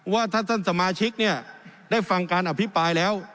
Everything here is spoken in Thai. ว่าถ้าท่านสมาชิกเนี่ยได้ฟังการอภิปรายแล้ว